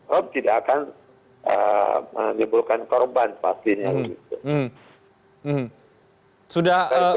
rob tidak akan menyebulkan korban pastinya